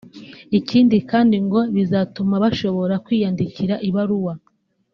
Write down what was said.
ikindi kandi ngo bizatuma bashobora kwiyandikira ibaruwa